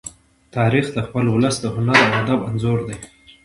تاریخ د خپل ولس د هنر او ادب انځور دی.